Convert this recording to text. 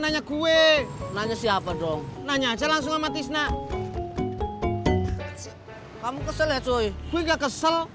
nanya gue nanya siapa dong nanya aja langsung sama tisna kamu kesel ya cuy gue nggak kesel